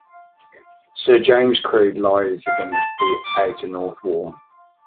Sir James Creed lies against the outer north wall.